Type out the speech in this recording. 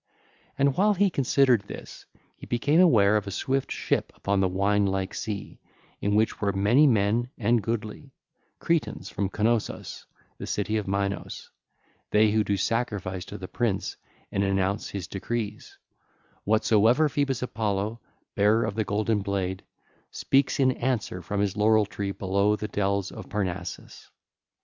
And while he considered this, he became aware of a swift ship upon the wine like sea in which were many men and goodly, Cretans from Cnossos 2510, the city of Minos, they who do sacrifice to the prince and announce his decrees, whatsoever Phoebus Apollo, bearer of the golden blade, speaks in answer from his laurel tree below the dells of Parnassus.